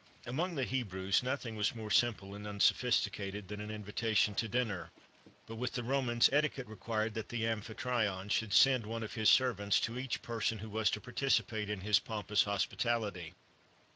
Among the Hebrews, nothing was more simple and unsophisticated than an invitation to dinner;[XXXV 1] but, with the Romans, etiquette required that the amphitryon should send one of his servants to each person who was to participate in his pompous hospitality.